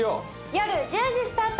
夜１０時スタート。